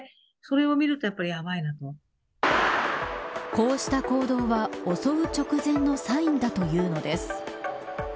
こうした行動は襲う直前のサインだというのです。